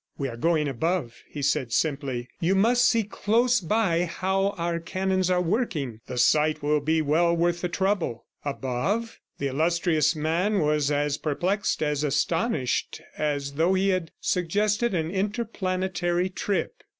"We are going above," he said simply. "You must see close by how our cannons are working. The sight will be well worth the trouble." Above? ... The illustrious man was as perplexed, as astonished as though he had suggested an interplanetary trip.